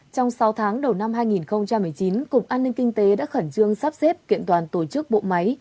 trong sáu tháng đầu năm hai nghìn một mươi chín cục an ninh kinh tế đã khẩn trương sắp xếp kiện toàn tổ chức bộ máy